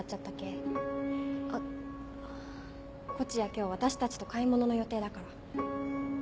今日私たちと買い物の予定だから。